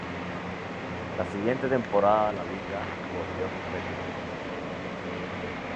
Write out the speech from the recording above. La siguiente temporada la liga volvió a competir.